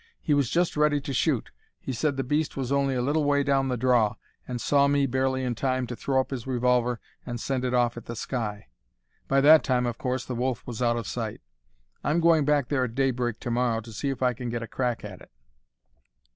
He was just ready to shoot he said the beast was only a little way down the draw and saw me barely in time to throw up his revolver and send it off at the sky. By that time, of course, the wolf was out of sight. I'm going back there at daybreak to morrow to see if I can get a crack at it."